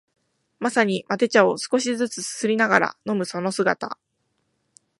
まさにマテ茶を少しづつすすりながら飲むその姿